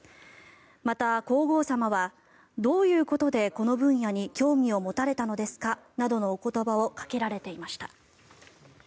また皇后さまはどういうことでこの分野に興味を持たれたのですかなどのお言葉をかけられていました。